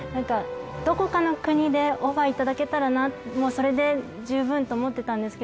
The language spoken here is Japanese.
どこかの国でオファー頂けたらもうそれで十分と思ってたんですけど